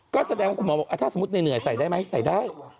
ก็แสดงว่าคุณหมอบอกถ้าสมมุติเหนื่อยใส่ได้ไหมใส่ได้